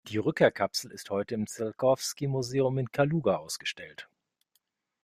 Die Rückkehrkapsel ist heute im Ziolkowski-Museum in Kaluga ausgestellt.